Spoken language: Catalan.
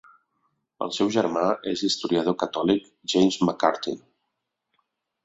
El seu germà és l'historiador catòlic James McCartin.